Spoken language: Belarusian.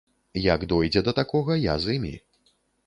Як дойдзе да такога, я з імі.